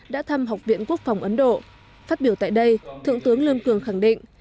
đã thăm học viện quốc phòng ấn độ phát biểu tại đây thượng tướng lương cường khẳng định